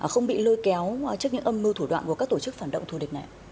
không bị lôi kéo trước những âm mưu thủ đoạn của các tổ chức phản động thù địch này